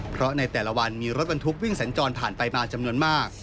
เพราะในแต่ละวันมีรถบรรทุกวิ่งสัญจรผ่านไปมาจำนวนมาก